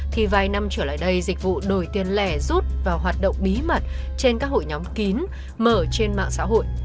thì vài năm trở lại đây dịch vụ đổi tiền lẻ rút vào hoạt động bí mật trên các hội nhóm kín mở trên mạng xã hội